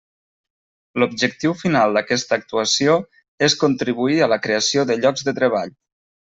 L'objectiu final d'aquesta actuació és contribuir a la creació de llocs de treball.